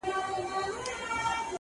• د يوسفي حُسن شروع ته سرگردانه وو ـ